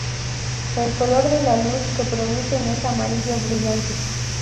El color de la luz que producen es amarillo brillante.